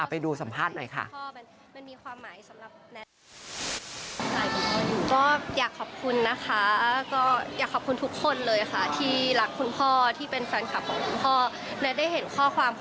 ไปดูสัมภาษณ์หน่อยค่ะ